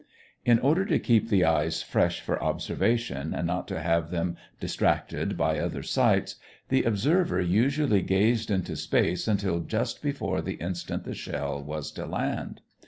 In order to keep the eyes fresh for observation and not to have them distracted by other sights, the observer usually gazed into space until just before the instant the shell was to land.